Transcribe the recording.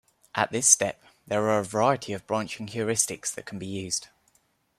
At this step, there are a variety of branching heuristics that can be used.